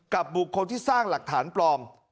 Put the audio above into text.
บุคคลที่สร้างหลักฐานปลอม